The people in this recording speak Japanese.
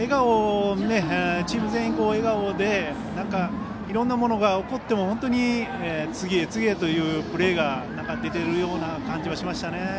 チーム全員が笑顔でいろんなことが起こっても本当に、次へ次へというプレーが出ているような感じがしましたね。